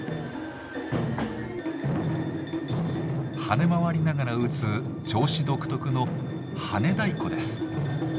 跳ね回りながら打つ銚子独特のはね太鼓です。